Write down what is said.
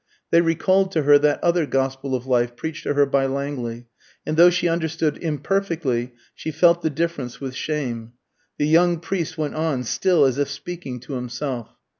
They recalled to her that other gospel of life preached to her by Langley, and though she understood imperfectly, she felt the difference with shame. The young priest went on, still as if speaking to himself.